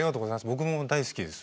僕も大好きです。